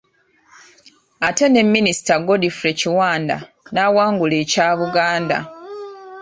Ate ne Minisita Godfrey Kiwanda n'awangula ekya Buganda.